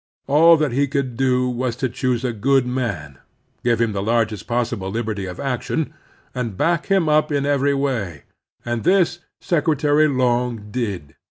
All that he could do was to choose a good man, give him the largest possible liberty of action, and back him up in every way ; and this Secretary Long did.